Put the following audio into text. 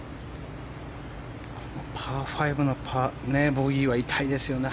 パー５のボギーは痛いですよね。